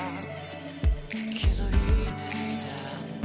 「気づいていたんだ